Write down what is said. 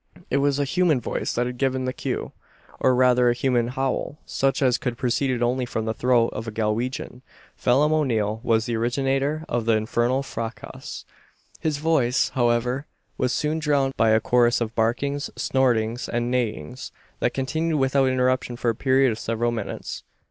It was a human voice that had given the cue or rather, a human howl, such as could proceed only from the throat of a Galwegian. Phelim O'Neal was the originator of the infernal fracas. His voice, however, was soon drowned by a chorus of barkings, snortings, and neighings, that continued without interruption for a period of several minutes.